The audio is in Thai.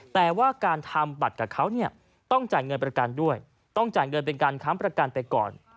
แต่ว่าการทำบัตรกับเขาเนี่ยต้องจ่ายเงินประกันด้วยต้องจ่ายเงินเป็นการค้ำประกันไปก่อน